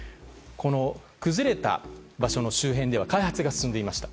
崩れた場所の周辺では開発が進んでいました。